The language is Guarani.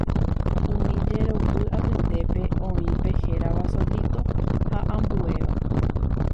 Umi jeroky apytépe oĩ pe hérava “solíto” ha ambuéva.